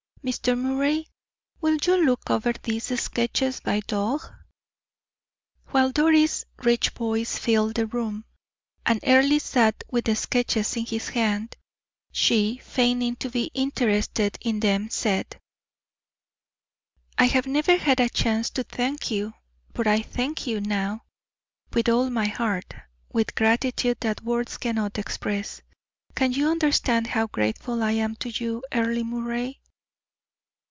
Mr. Moray, will you look over these sketches by Dore?" While Doris' rich voice filled the room, and Earle sat with the sketches in his hand, she, feigning to be interested in them, said: "I have never had a chance to thank you, but I thank you now, with all my heart, with gratitude that words cannot express. Can you understand how grateful I am to you, Earle Moray?"